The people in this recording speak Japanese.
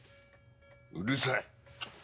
うるさい。